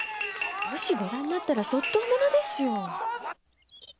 もしご覧になったら卒倒ものですよ！